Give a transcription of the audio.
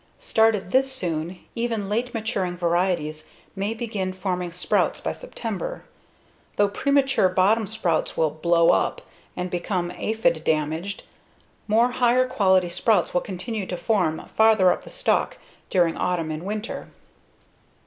Started this soon, even late maturing varieties may begin forming sprouts by September. Though premature bottom sprouts will "blow up" and become aphid damaged, more, higher quality sprouts will continue to form farther up the stalk during autumn and winter.